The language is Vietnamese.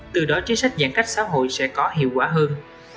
từ đó chính sách giãn cách xã hội sẽ có hiệu quả hơn